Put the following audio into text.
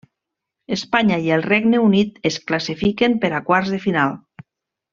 Espanya i el Regne Unit es classifiquen per a quarts de final.